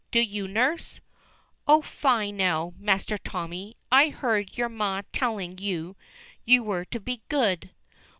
Do you, nurse?" "Oh, fie, now, Master Tommy, and I heard your ma telling you you were to be good."